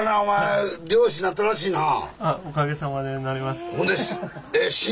はい。